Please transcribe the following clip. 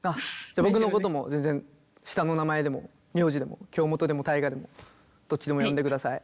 じゃ僕のことも全然下の名前でも名字でも京本でも大我でもどっちでも呼んでください。